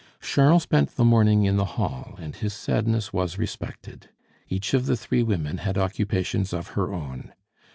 Charles spent the morning in the hall, and his sadness was respected. Each of the three women had occupations of her own.